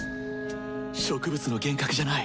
植物の幻覚じゃない。